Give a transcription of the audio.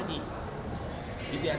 itu yang saya sampaikan